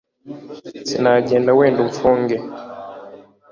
Sinagenda wenda umfunge,